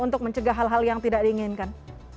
untuk mencegah hal hal yang tidak diinginkan